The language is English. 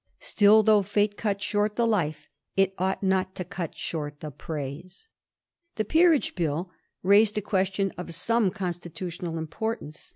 Still, though fiite cut short the life, it ought not to cut short the praise. The Peerage Bill raised a question of some consti tutional importance.